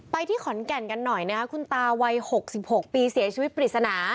ที่ขอนแก่นกันหน่อยนะครับคุณตาวัย๖๖ปีเสียชีวิตปริศนา